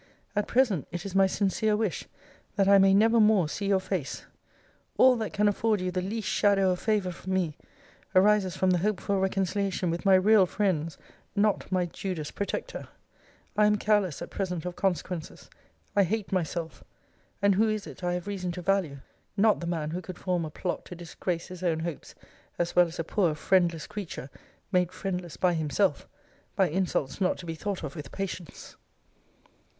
At present, it is my sincere wish, that I may never more see your face. All that can afford you the least shadow of favour from me, arises from the hoped for reconciliation with my real friends, not my Judas protector. I am careless at present of consequences. I hate myself: And who is it I have reason to value? Not the man who could form a plot to disgrace his own hopes, as well as a poor friendless creature, (made friendless by himself,) by insults not to be thought of with patience.